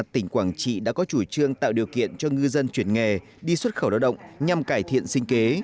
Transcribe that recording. tỉnh quảng trị đã có chủ trương tạo điều kiện cho ngư dân chuyển nghề đi xuất khẩu lao động nhằm cải thiện sinh kế